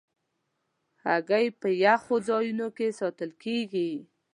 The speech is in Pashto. هګۍ په یخو ځایونو کې ساتل کېږي.